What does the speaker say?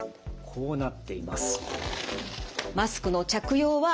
こうなっています。